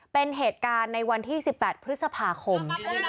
เป็นเหตุการณ์ในวันที่๑๘พฤษภาคม